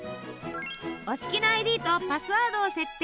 お好きなＩＤとパスワードを設定。